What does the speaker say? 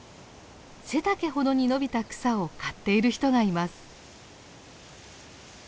背丈ほどに伸びた草を刈っている人がいます。